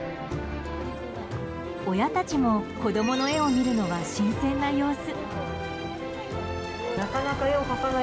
親たちも子供の絵を見るのは新鮮な様子。